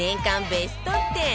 ベスト１０